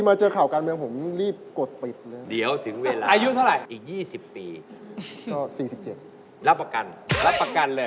ไม่เลยครับ